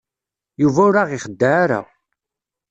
Yuba ur aɣ-ixeddeɛ ara.